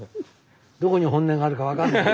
どこに本音があるかわかんない。